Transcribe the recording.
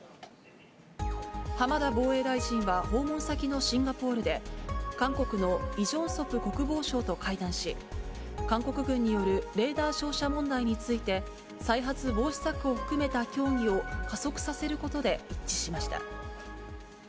浜田防衛大臣は訪問先のシンガポールで、韓国のイ・ジョンソプ国防相と会談し、韓国軍によるレーダー照射問題について、再発防止策を含めた協議を加速させることで一致しました。